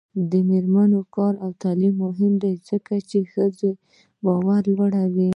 د میرمنو کار او تعلیم مهم دی ځکه چې ښځو باور لوړوي.